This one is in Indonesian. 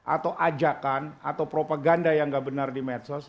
atau ajakan atau propaganda yang nggak benar di medsos